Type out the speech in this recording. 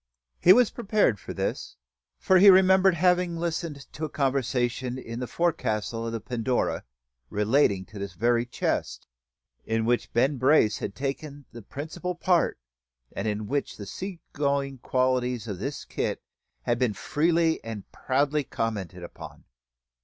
He was prepared for this; for he remembered having listened to a conversation in the forecastle of the Pandora, relating to this very chest, in which Ben Brace had taken the principal part, and in which the sea going qualities of his kit had been freely and proudly commented upon.